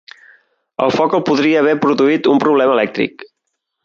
El foc el podria haver produït un problema elèctric.